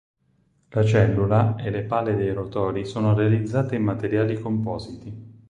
La cellula e le pale dei rotori sono realizzate in materiali compositi.